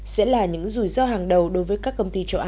sẽ là những rủi ro hàng đầu đối với các cơ quan chính phủ